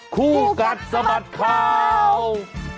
คู่กัดสมัติข่าว